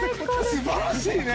「素晴らしいね。